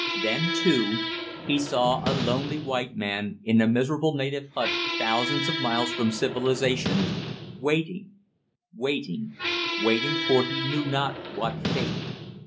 Then, too, he saw a lonely white man in a miserable native hut thousands of miles from civilization, waiting, waiting, waiting for he knew not what fate.